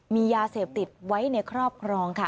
มียาเสพติดไว้ในครอบครองค่ะ